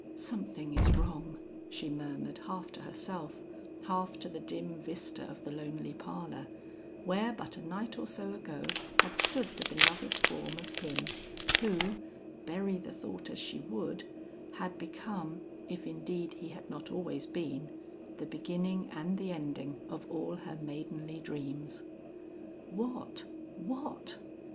"Something is wrong," she murmured half to herself, half to the dim vista of the lonely parlor, where but a night or so ago had stood the beloved form of him, who, bury the thought as she would, had become, if indeed he had not always been, the beginning and the ending of all her maidenly dreams: "what? what?"